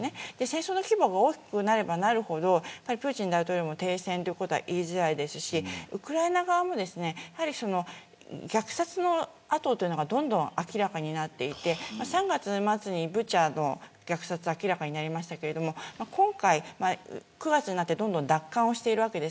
戦争の規模が大きくなればなるほどプーチン大統領も停戦とは言いづらいですしウクライナ側も虐殺の跡がどんどん明らかになっていて３月末にブチャの虐殺が明らかになりましたけれど今回、９月になってどんどん奪還をしています。